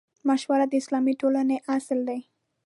مشوره د اسلامي ټولنې اصل دی.